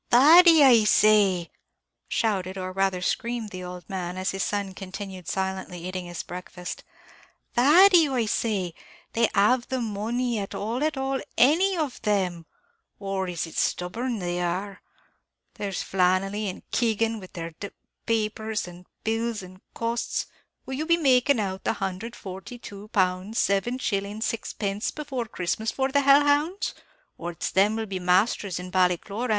Thady, I say," shouted, or rather screamed, the old man, as his son continued silently eating his breakfast, "Thady, I say; have they the money, at all at all, any of them; or is it stubborn they are? There's Flannelly and Keegan with their d d papers and bills and costs; will you be making out the £142 7_s._ 6_d._ before Christmas for the hell hounds; or it's them'll be masters in Ballycloran?